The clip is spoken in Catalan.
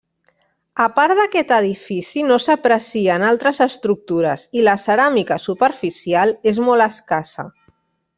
A part d'aquest edifici no s'aprecien altres estructures i la ceràmica superficial és molt escassa.